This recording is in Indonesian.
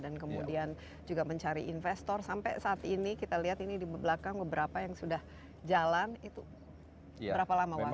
dan kemudian juga mencari investor sampai saat ini kita lihat ini di belakang beberapa yang sudah jalan itu berapa lama waktunya